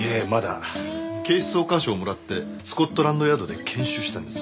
警視総監賞をもらってスコットランドヤードで研修したんです。